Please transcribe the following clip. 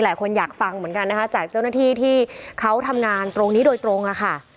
หลายคนอยากฟังเหมือนกันนะคะจากเจ้าหน้าที่ที่เขาทำงานตรงนี้โดยตรงค่ะ